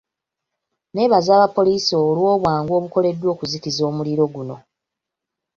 Neebaza aba poliisi olw'obwangu obukoleddwa okuzikiza omuliro guno.